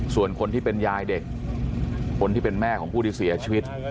ส่วนคนที่เป็นยายเด็กคนที่เป็นแม่ของผู้ที่เสียชีวิต